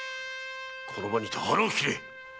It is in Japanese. この場にて腹を切れ！